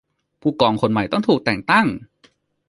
ผู้กองคนใหม่ต้องถูกแต่งตั้ง